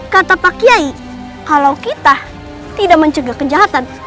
kata pak kiai kalau kita tidak mencegah kejahatan